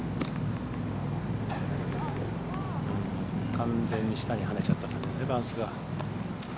完全に下に跳ねちゃった感じバウンスが。